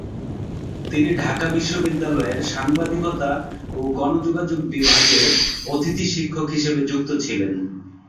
তিনি ঢাকা বিশ্ববিদ্যালয়ের সাংবাদিকতা ও গণযোগাযোগ বিভাগে অতিথি শিক্ষক হিসেবেও যুক্ত ছিলেন।